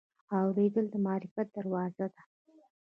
اورېدل د معرفت دروازه ده.